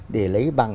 để lấy bằng